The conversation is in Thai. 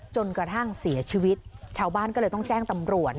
จนกระทั่งเสียชีวิตชาวบ้านก็เลยต้องแจ้งตำรวจ